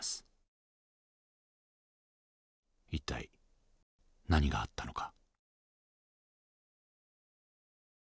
一体何があったのか。